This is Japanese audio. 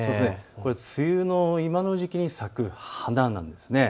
これは梅雨の今の時期に咲く花なんです。